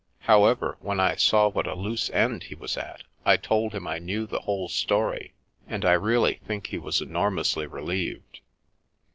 How ever, when I saw what a loose end he was at, I told him I knew the whole story, and I really think he was enor mously relieved.